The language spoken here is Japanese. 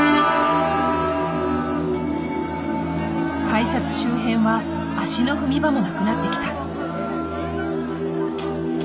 改札周辺は足の踏み場も無くなってきた。